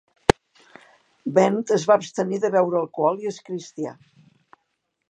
Bent es va abstenir de beure alcohol i és cristià.